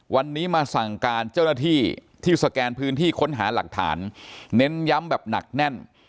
วันนี้มาสั่งการเจ้าหน้าที่ที่สแกนพื้นที่ค้นหาหลักฐานเน้นย้ำแบบหนักแน่น